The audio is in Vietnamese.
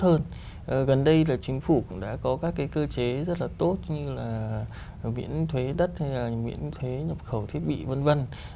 rồi tuần sau thì chính phủ cũng đã có cơ chế già tốt như là miễn thuế đất miễn thuế nhập khẩu thiết bị v v